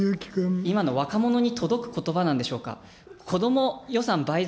今の若者に届くことばなんでしょうか。